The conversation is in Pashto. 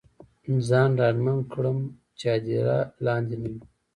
ځان ډاډمن کړم چې هدیره لاندې نه وي.